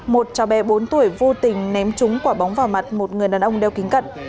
một cháu bé bốn tuổi vô tình ném trúng quả bóng vào mặt một người đàn ông đeo kính cận